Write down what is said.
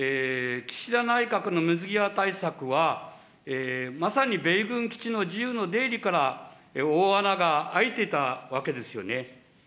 岸田内閣の水際対策は、まさに米軍基地の自由の出入りから大穴が開いていたわけですよね。